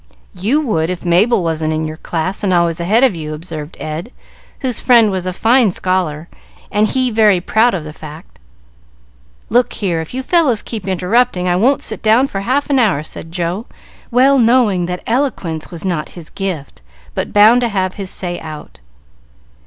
"You would if Mabel wasn't in your class and always ahead of you," observed Ed, whose friend was a fine scholar, and he very proud of the fact. "Look here, if you fellows keep interrupting, I won't sit down for half an hour," said Joe, well knowing that eloquence was not his gift, but bound to have his say out.